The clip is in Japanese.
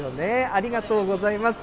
ありがとうございます。